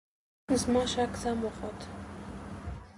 زما شک سم وخوت .